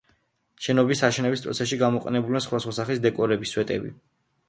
შენობის აშენების პროცესში გამოყენებულია სხვადასხვა სახის დეკორები, სვეტები, თაღები და მცირე ზომის სკულპტურები.